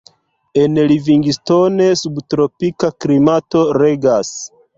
En Livingstone subtropika klimato regas.